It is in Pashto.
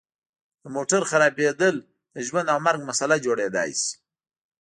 د موټر خرابیدل د ژوند او مرګ مسله جوړیدای شي